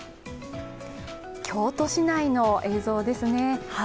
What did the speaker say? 京都市内の映像ですね。